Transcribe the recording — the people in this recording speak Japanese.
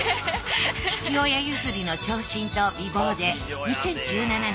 父親ゆずりの長身と美貌で２０１７年